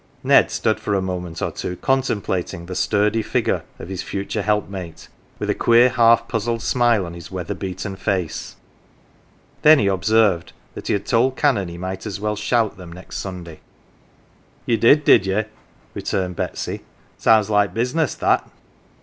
Ned stood for a moment or two contemplating the sturdy figure of his future helpmate with a queer half puzzled smile on his weather beaten face ; then he observed that he had told Canon he might as well shout them next Sunday. " Ye did, did ye ?" returned Betsy. " Sounds like business, that."